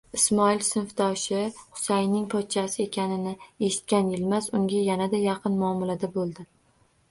Ismoil sinfdoshi Husayinning pochchasi ekanini eshitgan Yilmaz unga yanada yaqin muomalada bo'ldi.